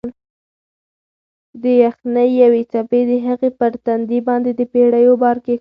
د یخنۍ یوې څپې د هغې پر تندي باندې د پېړیو بار کېښود.